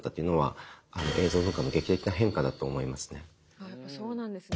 あっやっぱそうなんですね。